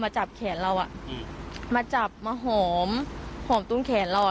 มีชายแปลกหน้า๓คนผ่านมาทำทีเป็นช่วยค่างทาง